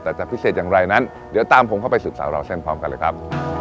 แต่จะพิเศษอย่างไรนั้นเดี๋ยวตามผมเข้าไปสืบสาวราวเส้นพร้อมกันเลยครับ